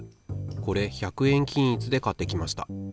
これ１００円均一で買ってきました。